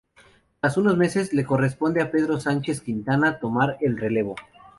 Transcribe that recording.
Tras unos meses, le corresponde a Pedro Sánchez Quintana tomar el relevo.